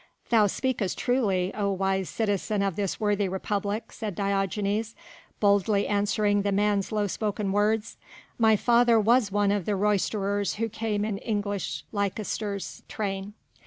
"Thou speakest truly, O wise citizen of this worthy republic," said Diogenes, boldly answering the man's low spoken words, "my father was one of the roisterers who came in English Leicester's train.